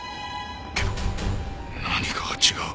けど何かが違う